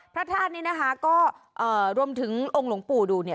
พระธาตุนี้นะคะก็เอ่อรวมถึงองค์หลวงปู่ดูเนี่ย